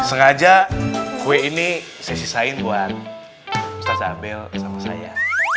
sengaja kue ini saya sisain buat ustadz abel sama saya